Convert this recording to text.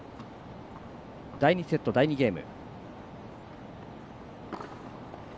第２セット第２ゲーム。